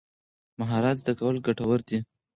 مهارت زده کول ګټور دي.